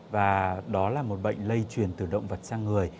và đó là một bệnh lây truyền từ động vật sang người